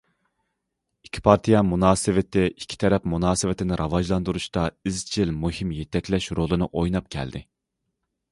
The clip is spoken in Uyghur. ئىككى پارتىيە مۇناسىۋىتى ئىككى تەرەپ مۇناسىۋىتىنى راۋاجلاندۇرۇشتا ئىزچىل مۇھىم يېتەكلەش رولىنى ئويناپ كەلدى.